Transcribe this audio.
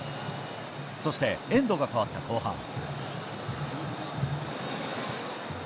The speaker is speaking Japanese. そして、エンドが変わった後半。